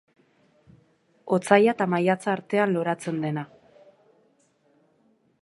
Otsaila eta maiatza artean loratzen dena.